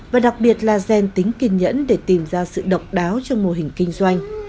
và đặc biệt là gen tính kiên nhẫn để tìm ra sự độc đáo trong mô hình kinh doanh